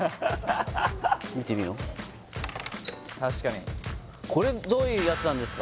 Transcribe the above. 見てみよう確かにこれどういうやつなんですか？